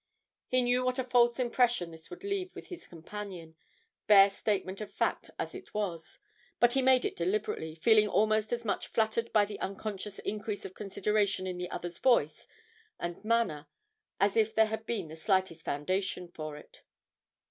He knew what a false impression this would leave with his companion, bare statement of fact as it was, but he made it deliberately, feeling almost as much flattered by the unconscious increase of consideration in the other's voice and manner as if there had been the slightest foundation for it.